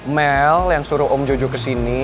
mel yang suruh om jojo kesini